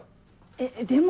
えっでも。